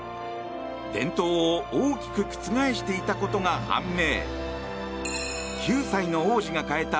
伝統を大きく覆していたことが判明。